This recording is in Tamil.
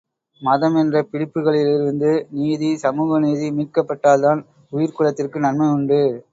மதம் என்ற பிடிப்புகளிலிருந்து நீதி சமூக நீதி மீட்கப்பட்டால்தான் உயிர்க் குலத்திற்கு நன்மை உண்டு.